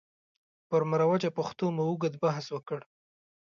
پر مروجه پښتو مو اوږد بحث وکړ.